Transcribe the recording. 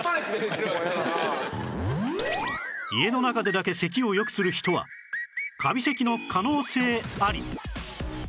家の中でだけ咳をよくする人はカビ咳の可能性あり！